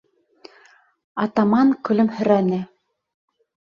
Атаман көлөмһөрәне: